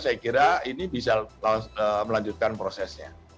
saya kira ini bisa melanjutkan prosesnya